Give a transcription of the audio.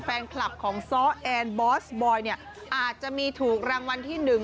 แฟนคลับของซ้อแอนบอสบอยเนี่ยอาจจะมีถูกรางวัลที่หนึ่ง